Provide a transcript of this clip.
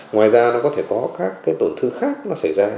ngoài ra có thể có các tổn thương khác xảy ra